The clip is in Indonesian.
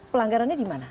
pelanggarannya di mana